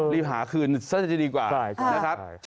รีบหาคืนซักอย่างจะดีกว่านะครับใช่